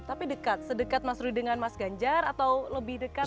tapi dekat sedekat mas rudi dengan mas ganjar atau lebih dekat